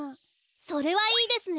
それはいいですね。